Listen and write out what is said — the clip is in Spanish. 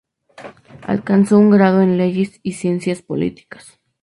Alcanzó un grado en Leyes y Ciencias Políticas.